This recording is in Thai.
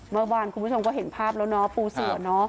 เมื่อวานคุณผู้ชมก็เห็นภาพแล้วเนาะปูเสือเนอะ